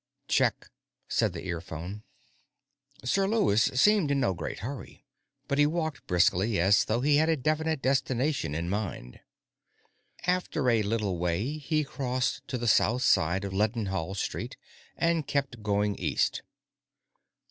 "Check," said the earphone. Sir Lewis seemed in no great hurry, but he walked briskly, as though he had a definite destination in mind. After a little way, he crossed to the south side of Leadenhall Street and kept going east.